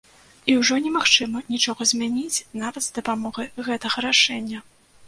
І ўжо не магчыма нічога змяніць, нават з дапамогай гэтага рашэння.